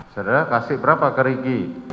saudara kasih berapa ke rigi